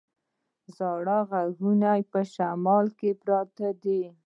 زاړه غرونه یې په شمال کې پراته دي.